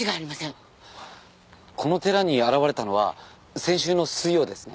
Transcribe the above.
この寺に現れたのは先週の水曜ですね？